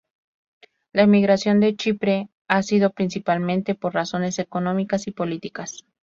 La emigración de Chipre ha sido principalmente por razones económicas y políticas.